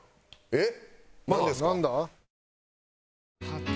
えっ？